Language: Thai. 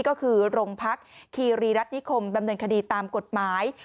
ก็คือโรงพักคีรีรัฐนิคมดำเนินคดีตามกฎหมาย